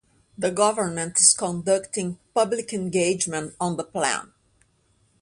The government is conducting public engagement on the plan.